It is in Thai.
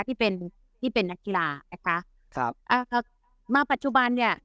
ที่เป็นที่เป็นนักกีฬานะคะครับอ่ามาปัจจุบันเนี้ย